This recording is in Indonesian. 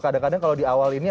kadang kadang kalau di awal ini